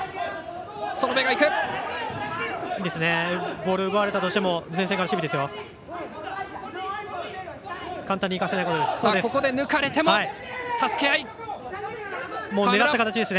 ボール、奪われたとしても前線からの守備です。